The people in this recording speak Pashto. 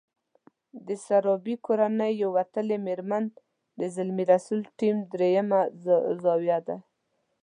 د سرابي کورنۍ يوه وتلې مېرمن د زلمي رسول ټیم درېيمه زاویه ده.